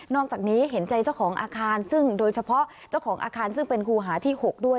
อกจากนี้เห็นใจเจ้าของอาคารซึ่งโดยเฉพาะเจ้าของอาคารซึ่งเป็นครูหาที่๖ด้วย